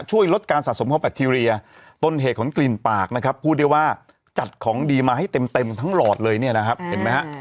ช่วยลดการสะสมของแบคทีเรียต้นเหตุของกลิ่นปากนะครับพูดได้ว่าจัดของดีมาให้เต็มทั้งหลอดเลยเนี่ยนะครับเห็นไหมฮะ